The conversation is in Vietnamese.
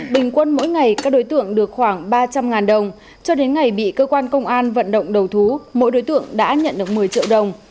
bình quân mỗi ngày các đối tượng được khoảng ba trăm linh đồng cho đến ngày bị cơ quan công an vận động đầu thú mỗi đối tượng đã nhận được một mươi triệu đồng